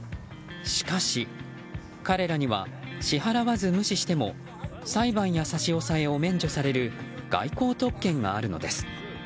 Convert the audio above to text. しかし、彼らには支払わず無視しても裁判や差し押さえを免除される外交特権があるのです。